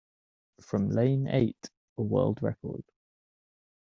From lane eight, a world record.